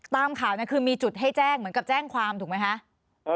ตามข่าวคือมีจุดให้แจ้งเหมือนกับแจ้งความถูกไหมคะ